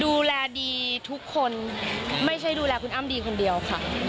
ดูแลดีทุกคนไม่ใช่ดูแลคุณอ้ำดีคนเดียวค่ะ